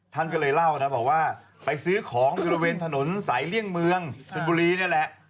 ท่านก็เลยเล่านะบอกว่าไปซื้อของอยู่บริเวณถนนสายเลี่ยงเมืองชนบุรีนี่แหละ